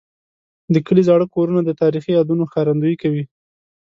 د کلي زاړه کورونه د تاریخي یادونو ښکارندوي کوي.